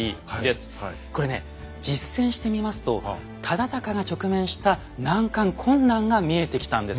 これね実践してみますと忠敬が直面した難関困難が見えてきたんです。